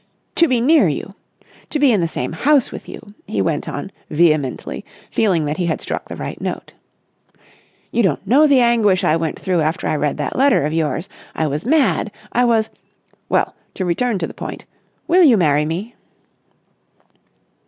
"To be near you! To be in the same house with you!" he went on vehemently feeling that he had struck the right note. "You don't know the anguish I went through after I read that letter of yours. I was mad! I was ... well, to return to the point, will you marry me?"